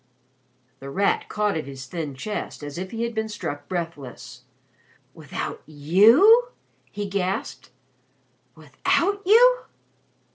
The Rat caught at his thin chest as if he had been struck breathless. "Without you?" he gasped. "Without you?"